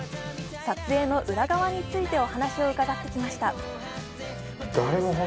撮影の裏側についてお話を伺ってきました。